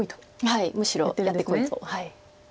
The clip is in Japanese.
はいむしろやってこいと。